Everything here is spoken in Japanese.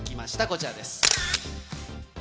こちらです。